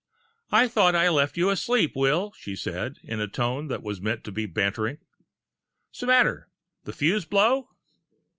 "I thought I left you asleep, Will," she said, in a tone that was meant to be bantering. "'Smatter, the fuse blow?"